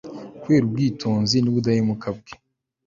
kubera ubwitonzi n'ubudahemuka bwe